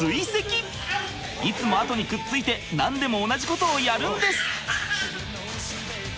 いつも後にくっついて何でも同じことをやるんです。